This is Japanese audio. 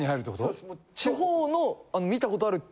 そうです。え。